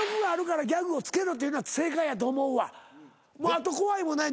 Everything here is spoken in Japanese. あと怖いもんない